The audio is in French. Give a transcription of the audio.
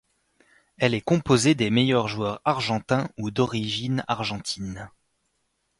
Elle est composée des meilleurs joueurs argentins ou d'origine argentine.